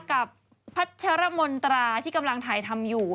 กับพัชรมนตราที่กำลังถ่ายทำอยู่